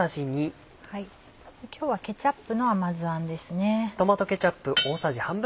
今日はケチャップの甘酢あんですね。